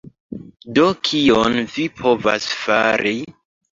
Do, kion vi povas fari?